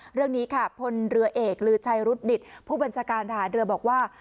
เรื่องนี้ค่ะพลเรือเอกลือชัยรุดดิตผู้บัญชาการทหารเรือบอกว่า